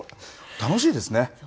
楽しいですね。